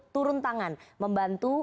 turun tangan membantu